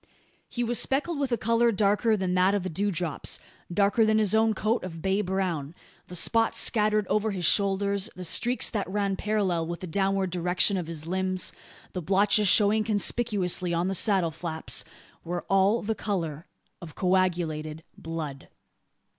He was speckled with a colour darker than that of the dewdrops darker than his own coat of bay brown. The spots scattered over his shoulders the streaks that ran parallel with the downward direction of his limbs, the blotches showing conspicuously on the saddle flaps, were all of the colour of coagulated blood.